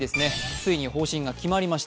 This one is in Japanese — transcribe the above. ついに方針が決まりました。